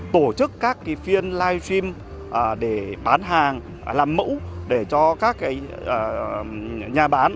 tổ chức các phiên live stream để bán hàng làm mẫu để cho các nhà bán